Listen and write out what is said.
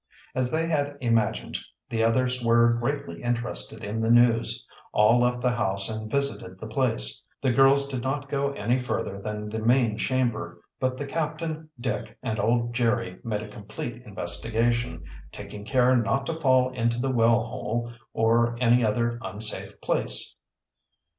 As they had imagined, the others were greatly interested in the news. All left the house and visited the place. The girls did not go any further than the main chamber, but the captain, Dick, and old Jerry made a complete investigation, taking care not to fall into the well hole or any other unsafe place.